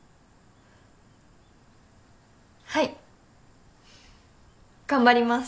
はい頑張ります！